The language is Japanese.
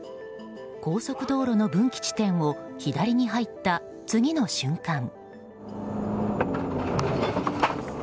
高速道路の分岐地点を左に入った次の瞬間。